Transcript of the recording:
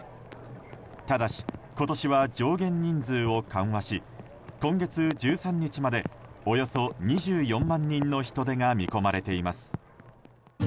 ただし、今年は上限人数を緩和し今月１３日までおよそ２４万人の人出が見込まれています。